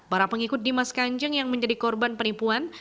para pengikut dimas kanjeng yang menjadi korban penipuan